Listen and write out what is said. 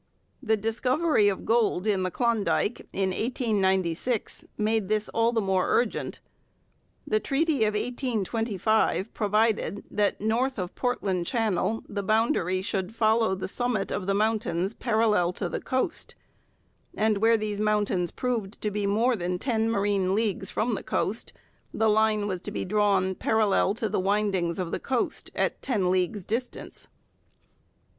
The discovery of gold in the Klondike in 1896 made this all the more urgent. The treaty of 1825 provided that north of Portland Channel the boundary should follow the summit of the mountains parallel to the coast, and where these mountains proved to be more than ten marine leagues from the coast, the line was to be drawn parallel to the windings of the coast at ten leagues' distance.